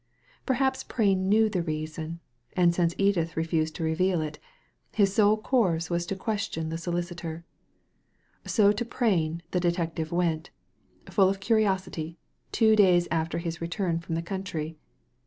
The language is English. Perhaps Prain knew the reason ; and since Edith refused to reveal it, his sole course was to question the solicitor* So to Prain the detective went, full of curiosity, two days after his return from the country.